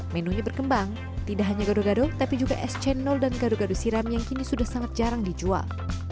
menunya berkembang tidak hanya gado gado tapi juga es cendol dan gado gado siram yang kini sudah sangat jarang dijual